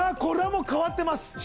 これはもう変わってます。